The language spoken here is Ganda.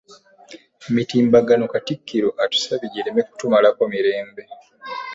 Emitimbagano, katikkiro atusabye gireme kutumalako mirembe